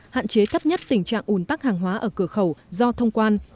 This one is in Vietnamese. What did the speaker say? hạn chế thấp nhất tình trạng ủn tắc hàng hóa ở cửa khẩu do thông quan